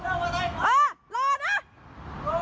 คุณมาทุบรถเราได้ยังไง